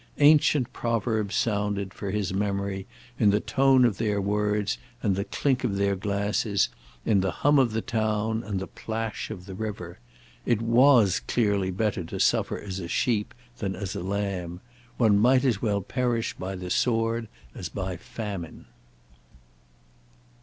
Ancient proverbs sounded, for his memory, in the tone of their words and the clink of their glasses, in the hum of the town and the plash of the river. It was clearly better to suffer as a sheep than as a lamb. One might as well perish by the sword as by famine.